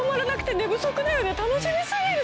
楽しみすぎる！